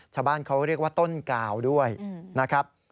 ชาวบ้านเขาเรียกว่าต้นกาวด้วยนะครับ